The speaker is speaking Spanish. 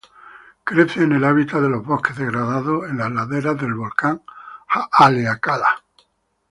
Crece en el hábitat de los bosques degradados en las laderas del volcán Haleakala.